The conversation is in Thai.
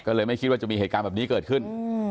ก็เลยไม่คิดว่าจะมีเหตุการณ์แบบนี้เกิดขึ้น